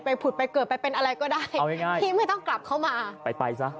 ไปผุดไปเกิดไปเป็นอะไรก็ได้